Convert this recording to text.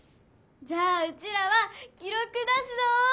じゃあうちらは記ろく出すぞ！